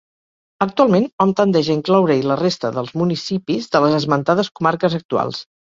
Actualment, hom tendeix a incloure-hi la resta dels municipis de les esmentades comarques actuals.